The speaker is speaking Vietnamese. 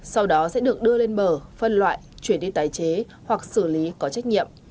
sau đó sẽ được đưa lên bờ phân loại chuyển đi tái chế hoặc xử lý có trách nhiệm